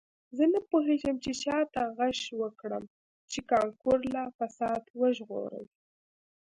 زه نه پوهیږم چې چا ته غږ وکړم چې کانکور له فساد وژغوري